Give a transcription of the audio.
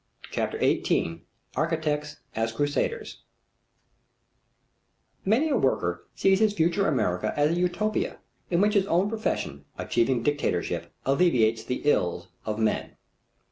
CHAPTER XVIII ARCHITECTS AS CRUSADERS Many a worker sees his future America as a Utopia, in which his own profession, achieving dictatorship, alleviates the ills of men.